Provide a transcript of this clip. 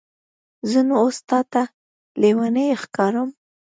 زه نو اوس تاته لیونی ښکارم؟